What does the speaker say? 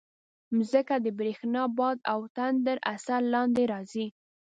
مځکه د برېښنا، باد او تندر اثر لاندې راځي.